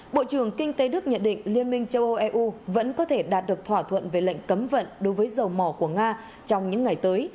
bộ trưởng kinh tế đức nhận định liên minh châu âu eu vẫn có thể đạt được thỏa thuận về lệnh cấm vận đối với dầu mỏ của nga trong những ngày tới